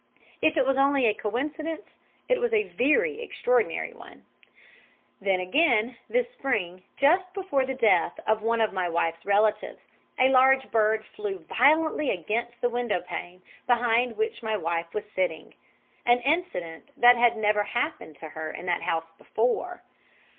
If it was only a coincidence, it was a very extraordinary one. Then again, this spring, just before the death of one of my wife's relatives, a large bird flew violently against the window pane behind which my wife was sitting an incident that had never happened to her in that house before.